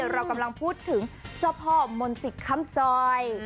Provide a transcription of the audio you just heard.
เรากำลังพูดถึงเจ้าพ่อมนศิษย์คำซอย